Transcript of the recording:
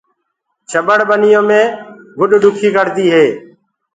چٻڙ ٻنيو مي گُڏ ڏُکي ڪڙدي هي۔